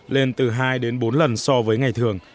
lên từ hai đến bốn lần so với ngày thường